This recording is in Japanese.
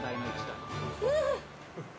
うん！